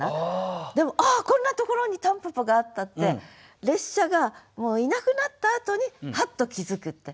でも「ああこんなところに蒲公英があった」って列車がもういなくなったあとにハッと気付くって。